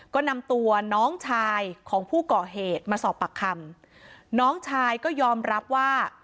ก็นำตัวน้องชายของผู้ก่อเหตุมาสอบปากคำน้องชายก็ยอมรับว่า